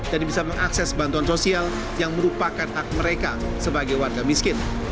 dan bisa mengakses bantuan sosial yang merupakan hak mereka sebagai warga miskin